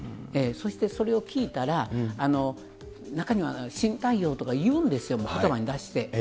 そしてそれを聞いたら、中には死にたいよとか言うんですよ、ことばに出して。